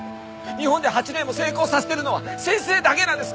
日本で８例も成功させているのは先生だけなんです！